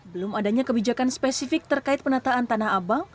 belum adanya kebijakan spesifik terkait penataan tanah abang